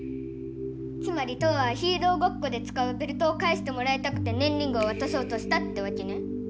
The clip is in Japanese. つまりトアはヒーローごっこでつかうベルトをかえしてもらいたくてねんリングをわたそうとしたってわけね。